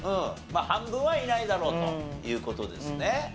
まあ半分はいないだろうという事ですね。